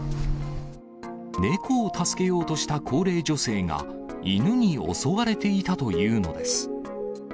猫を助けようとした高齢女性が、犬に襲われていたというのです。